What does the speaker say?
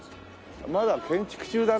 まだ建築中だね。